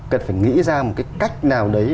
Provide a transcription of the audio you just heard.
cần phải nghĩ ra một cái cách nào đấy